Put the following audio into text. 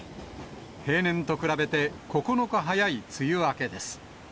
平年と比べて９日早い梅雨明けです。